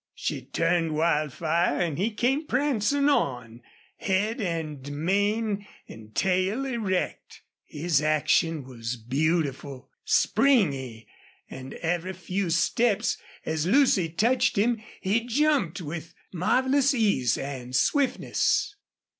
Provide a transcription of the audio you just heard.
She turned Wildfire and he came prancing on, head and mane and tail erect. His action was beautiful, springy, and every few steps, as Lucy touched him, he jumped with marvelous ease and swiftness.